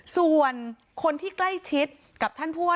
ส่วนคนที่ใกล้ชิดกับท่านผู้ว่า